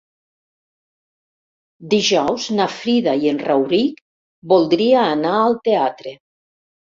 Dijous na Frida i en Rauric voldria anar al teatre.